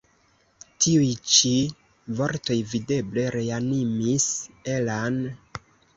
Tiuj ĉi vortoj videble reanimis Ella'n.